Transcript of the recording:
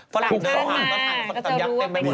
ตรงตรงยักษณ์เต็มไปหมดเลย